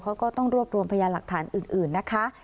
เขาก็ต้องรวบรวมพยานหลักฐานอื่นนะคะ